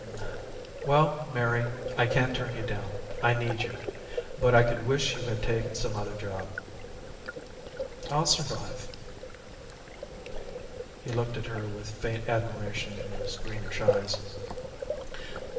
"Hm m m. Well, Mary I can't turn you down. I need you. But I could wish you had taken some other job." "I'll survive." He looked at her with faint admiration in his greenish eyes.